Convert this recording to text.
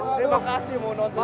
terima kasih munut